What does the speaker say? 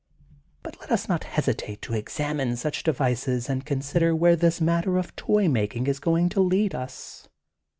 ^^But let ns not hesitate to examine such devices and consider where this matter of toy making is going to lead ns.